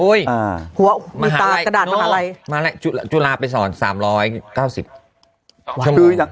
โอ้ยอ่าหัวมหาลัยมหาลัยจุฬาไปสอนสามร้อยเก้าสิบคืออย่าง